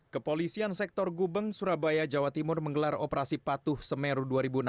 kepolisian sektor gubeng surabaya jawa timur menggelar operasi patuh semeru dua ribu enam belas